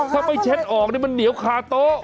ถ้าไม่เช็ดออกก็จะเหมี๋มันเหนียวค่ะโต๊ะ